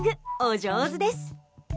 お上手です。